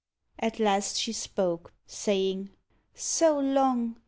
At last she spoke, Saying, "So long!